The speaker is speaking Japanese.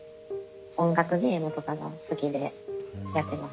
音楽ゲームとかが好きでやってます。